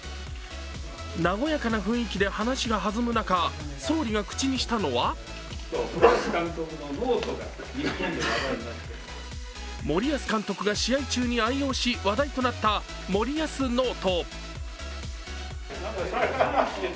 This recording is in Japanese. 和やかな雰囲気で話が弾む中、総理が口にしたのが森保監督が試合中に愛用し話題となった森保ノート。